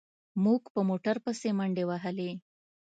موږ په موټر پسې منډې وهلې.